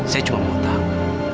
saya cuma mau tahu